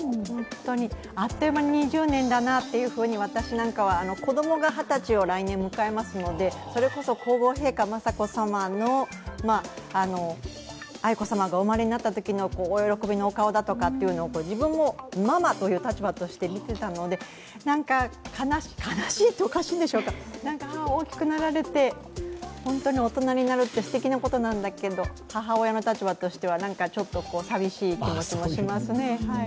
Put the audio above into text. あっという間に２０年だなというふうに、私なんか子供が二十歳を来年迎えますので、それこそ皇后陛下・雅子さまの愛子さまがお生まれになったときのお喜びのお顔だとか、自分もママという立場で見ていたので、悲しいっておかしいでしょうか、大きくなられて、本当に大人になるってすてきなことなんだけど母親の立場としては、ちょっと寂しい気持ちもしますね。